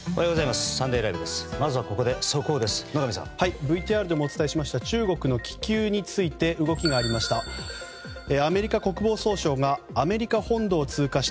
ＶＴＲでもお伝えした中国の気球について動きがありました。